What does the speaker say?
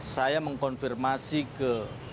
saya mengkonfirmasi ke